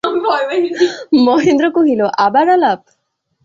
মহেন্দ্র কহিল, আবার আলাপ!